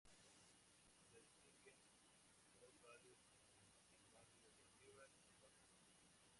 Se distinguen dos barrios, el "Barrio de Arriba" y el "Barrio de Abajo".